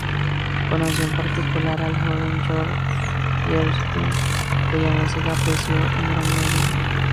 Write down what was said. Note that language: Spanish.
Conoció, en particular, al joven George Gershwin, cuya música apreció en gran medida.